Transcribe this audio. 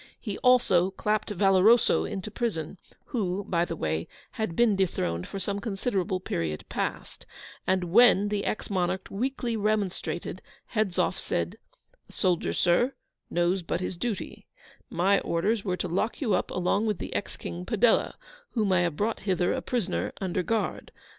He also clapped Valoroso into prison (who, by the way, had been dethroned for some considerable period past), and when the Ex Monarch weakly remonstrated, Hedzoff said, 'A soldier, sir, knows but his duty; my orders are to lock you up along with the Ex King Padella, whom I have brought hither a prisoner under guard.